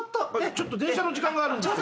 ちょっと電車の時間があるんですけど。